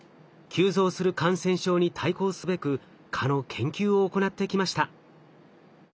急増する感染症に対抗すべく蚊の研究を行ってきました。